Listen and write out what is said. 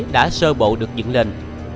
đã sơ bộ được dựng lên